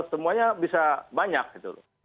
semuanya bisa banyak gitu loh